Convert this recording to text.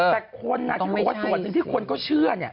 แต่คนอาจจะบอกว่าส่วนที่ที่คนก็เชื่อ